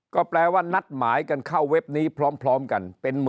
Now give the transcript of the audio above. ก็แปลว่านัดหมายกันเข้าเว็บนี้พร้อมกัน